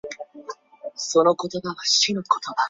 她是美军第一艘以北达科他州为名的军舰。